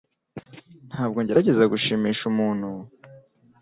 Ntabwo ngerageza gushimisha umuntu